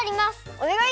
おねがい！